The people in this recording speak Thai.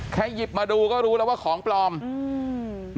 หยิบมาดูก็รู้แล้วว่าของปลอมอืม